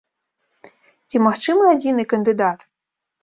Ці магчымы адзіны кандыдат?